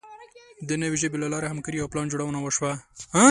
د نوې ژبې له لارې همکاري او پلانجوړونه وشوه.